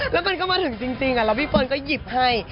แล้วมันก็มาถึงจริงแล้วพี่เฟิร์นก็หยิบให้